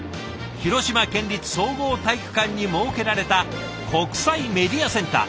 広島県立総合体育館に設けられた国際メディアセンター。